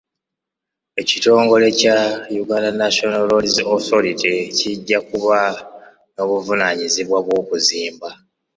Ekitongole kya Uganda National roads authority kijja kuba n'obuvunaanyizibwa bw'okuzimba.